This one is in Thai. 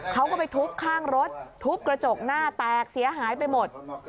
เขาก็ไปทุบข้างรถทุบกระจกหน้าแตกเสียหายไปหมด